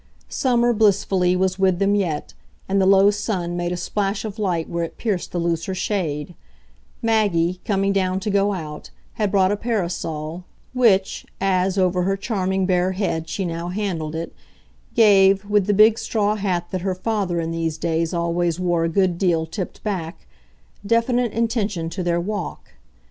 Summer, blissfully, was with them yet, and the low sun made a splash of light where it pierced the looser shade; Maggie, coming down to go out, had brought a parasol, which, as, over her charming bare head, she now handled it, gave, with the big straw hat that her father in these days always wore a good deal tipped back, definite intention to their walk.